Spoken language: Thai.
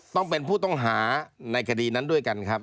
ต้องเป็นผู้ต้องหาในคดีนั้นด้วยกันครับ